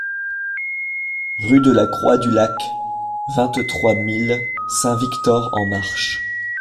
Rue de la Croix du Lac, vingt-trois mille Saint-Victor-en-Marche